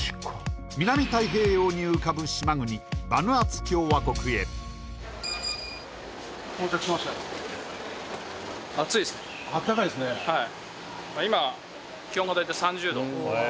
南太平洋に浮かぶ島国バヌアツ共和国へあったかいですねはい